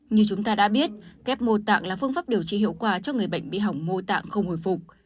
như chúng ta đã biết kép mô tạng là phương pháp điều trị hiệu quả cho người bệnh bị hỏng mô tạng không hồi phục